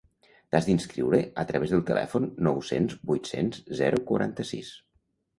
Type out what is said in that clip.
T'has d'inscriure a través del telèfon nou-cents vuit-cents zero quaranta-sis.